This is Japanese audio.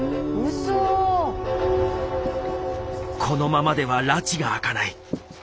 このままではらちが明かない。